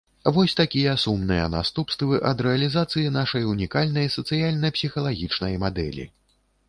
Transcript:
Вось такія сумныя наступствы ад рэалізацыі нашай унікальнай сацыяльна-псіхалагічнай мадэлі.